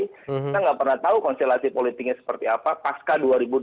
kita nggak pernah tahu konstelasi politiknya seperti apa pasca dua ribu dua puluh